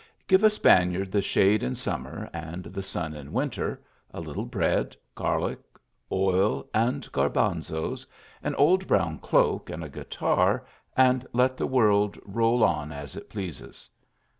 Give a Spaniard the shade in summer, and the sun in winter, a little bread, garlic, oil and garbanzos, an old brown cloak and a guitar, and let the world roll on as it pleases.